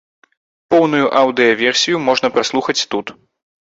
Поўную аўдыёверсію можна праслухаць тут.